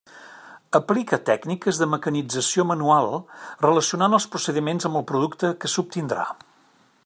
Aplica tècniques de mecanització manual, relacionant els procediments amb el producte que s'obtindrà.